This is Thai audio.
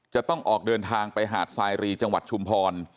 จะต้องออกเดินทางไปหาดสายรีจังหวัดชุมพร